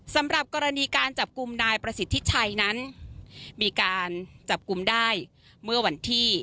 สำหรับกรณีการจับกลุ่มนายประสิทธิชัยนั้นมีการจับกลุ่มได้เมื่อวันที่